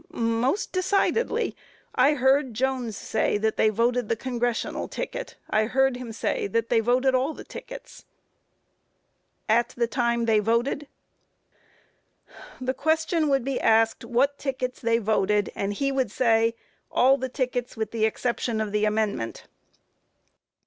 A. Most decidedly; I heard Jones say that they voted the Congressional ticket; I heard him say that they voted all the tickets. Q. At the time they voted? A. The question would be asked what tickets they voted, and he would say, "All the tickets with the exception of the Amendment."